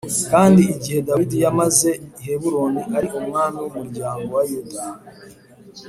Kandi igihe Dawidi yamaze i Heburoni ari umwami w’umuryango wa Yuda